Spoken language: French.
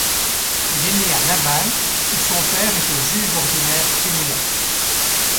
Il est né à Laval où son père était juge ordinaire criminel.